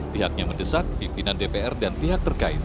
pihaknya mendesak pimpinan dpr dan pihak terkait